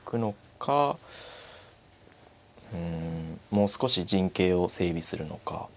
もう少し陣形を整備するのか。